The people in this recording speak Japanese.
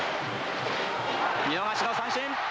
見逃しの三振！